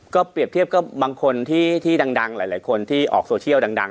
ก็เปรียบเทียบก็บางคนที่ดังหลายคนที่ออกโซเชียลดัง